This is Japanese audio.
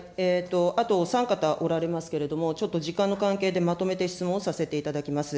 あとお三方おられますけれども、ちょっと時間の関係でまとめて質問させていただきます。